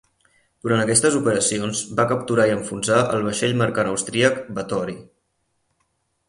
Durant aquestes operacions, va capturar i enfonsar el vaixell mercant austríac "Bathori".